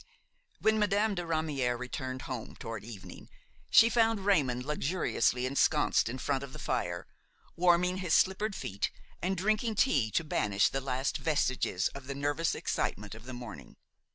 When Madame de Ramière returned home, toward evening, she found Raymon luxuriously ensconced in front of the fire, warming his slippered feet and drinking tea to banish the last vestiges of the nervous excitement of the morning.